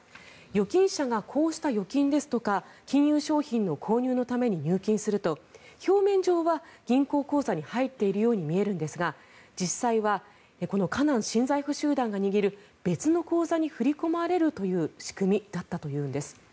預金者がこうした預金や金融商品の購入のために入金すると表面上は銀行口座に入っているように見えるんですが実際はこの河南新財富集団が握る別の口座に振り込まれるという仕組みだったというんです。